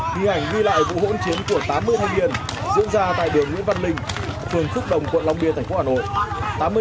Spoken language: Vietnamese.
ghi ảnh ghi lại vụ hỗn chiến của tám mươi thanh niên diễn ra tại đường nguyễn văn linh phường phúc đồng quận long biên thành phố hà nội